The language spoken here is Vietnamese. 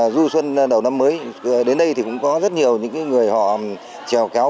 du xuân đầu năm mới đến đây thì cũng có rất nhiều những người họ trèo kéo